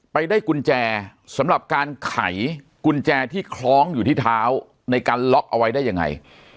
ไปได้กุญแจสำหรับการไขกุญแจที่คล้องอยู่ที่เท้าในการล็อกเอาไว้ได้ยังไง